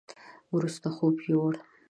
وروسته خوب يوووړ.